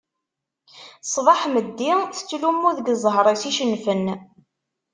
Ṣṣbeḥ meddi tettlummu deg zzher-is icennfen.